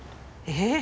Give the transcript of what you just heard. えっ？